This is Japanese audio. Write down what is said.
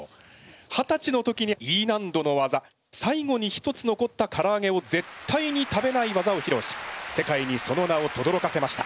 はたちの時にＥ難度の技「最後に１つ残ったからあげをぜったいに食べない技」をひろうし世界にその名をとどろかせました。